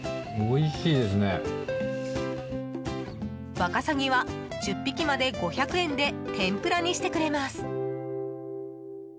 ワカサギは１０匹まで５００円で天ぷらにしてくれます。